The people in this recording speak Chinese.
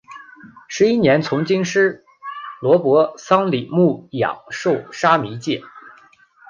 十一年从经师罗卜桑札木养受沙弥戒。